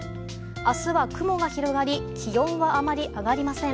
明日は雲が広がり気温はあまり上がりません。